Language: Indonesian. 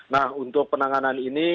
nah untuk penanganan ini